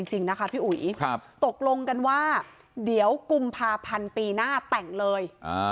จริงนะคะพี่อุ๋ยตกลงกันว่าเดี๋ยวกุมภาพันธ์ปีหน้าแต่งเลย